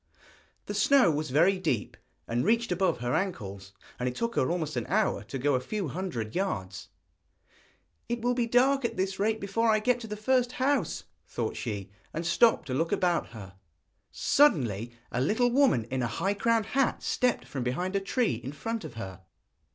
The snow was very deep, and reached above her ankles, and it took her almost an hour to go a few hundred yards. 'It will be dark at this rate before I get to the first house,' thought she, and stopped to look about her. Suddenly a little woman in a high crowned hat stepped from behind a tree in front of her.